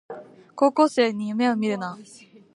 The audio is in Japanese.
高校生に夢をみるな